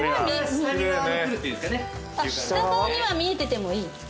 下側には見えててもいいの？